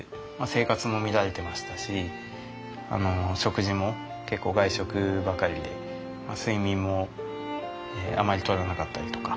生活も乱れてましたし食事も結構外食ばかりで睡眠もあまりとらなかったりとか。